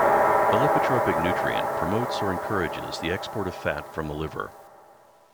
A lipotropic nutrient promotes or encourages the export of fat from the liver.